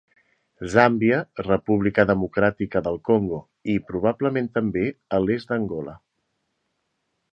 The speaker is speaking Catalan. Zàmbia, República Democràtica del Congo i, probablement també, a l'est d'Angola.